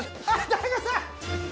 大悟さん。